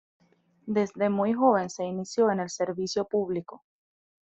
Desde muy joven se inició en el servicio público.